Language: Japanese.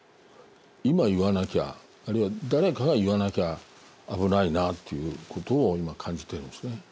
今言わなきゃあるいは誰かが言わなきゃ危ないなということを今感じてるんですね。